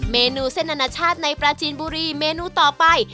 เมนูเส้นอนาชาติในปราจีนบุรีเมนูต่อไป